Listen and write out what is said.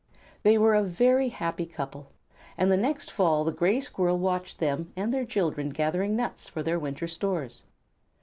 They were a very happy couple, and the next fall the Gray Squirrel watched them and their children gathering nuts for their winter stores.